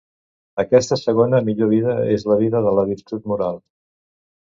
Aquesta segona millor vida és la vida de la virtut moral.